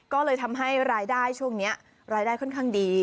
ก็เลยทำให้รายได้ช่วงนี้รายได้ค่อนข้างดี